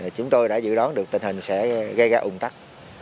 chúng tôi đã dự đoán được tình hình sẽ gây ra ủng tắc